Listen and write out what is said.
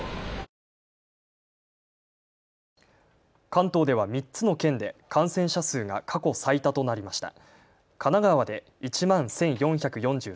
関東では３つの県で感染者数が過去最多となりました。